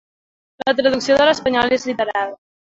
La traducció a l'espanyol és literal.